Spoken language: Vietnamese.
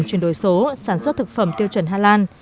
chuyển đổi số sản xuất thực phẩm tiêu chuẩn hà lan